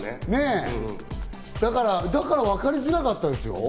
だからわかりづらかったですよ。